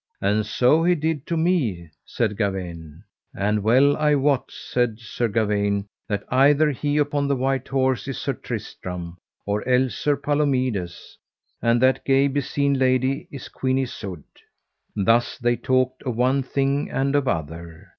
And so he did to me, said Gawaine; and well I wot, said Sir Gawaine, that either he upon the white horse is Sir Tristram or else Sir Palomides, and that gay beseen lady is Queen Isoud. Thus they talked of one thing and of other.